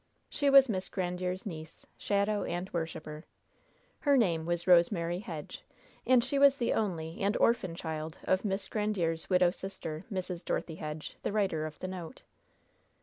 She was Miss Grandiere's niece, shadow and worshiper. Her name was Rosemary Hedge, and she was the only and orphan child of Miss Grandiere's widowed sister, Mrs. Dorothy Hedge, the writer of the note.